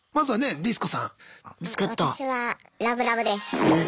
私はラブラブです！